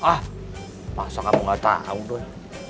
ah masa kamu nggak tahu doi